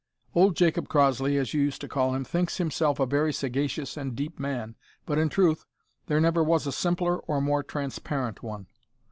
Old Jacob Crossley as you used to call him thinks himself a very sagacious and "deep" man, but in truth there never was a simpler or more transparent one.